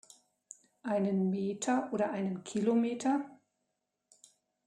Einen Meter oder einen Kilometer?